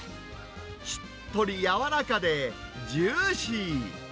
しっとり柔らかで、ジューシー。